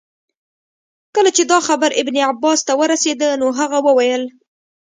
کله چي دا خبر ابن عباس ته ورسېدی نو هغه وویل.